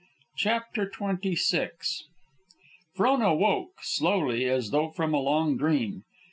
CHAPTER XXVI Frona woke, slowly, as though from a long dream.